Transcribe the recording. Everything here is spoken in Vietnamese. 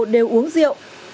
đều uống rượu